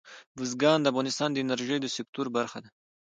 بزګان د افغانستان د انرژۍ د سکتور برخه ده.